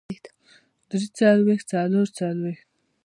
درې څلوېښت څلور څلوېښت